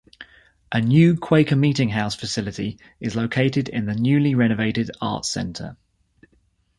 A new Quaker Meeting House facility is located in the newly renovated Arts Center.